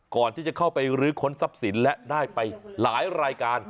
ก่อนที่จะเข้าไปรื้อค้นทรัพย์สินและได้ไปหลายรายการ